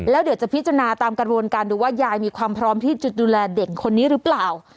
แล้วเดี๋ยวจะพิจารณาตามกระบวนการดูว่ายายมีความพร้อมที่จะดูแลเด็กคนนี้หรือเปล่า